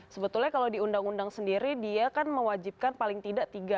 sebetulnya kalau di undang undang sendiri dia kan mewajibkan paling tidak tiga